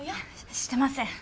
してません。